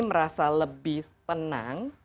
merasa lebih tenang